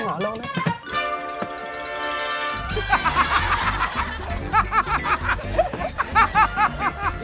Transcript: ลงเลยลองลอง